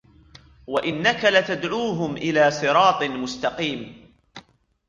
وإنك لتدعوهم إلى صراط مستقيم